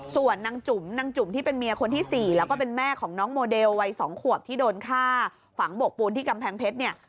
ส่วนนางจุ๋มนางจุ่มที่เป็นเมียคนที่๔แล้วก็เป็นแม่ของน้องโมเดลวัย๒ขวบที่โดนฆ่าฝังโบกปูนที่กำแพงเพชรเนี่ย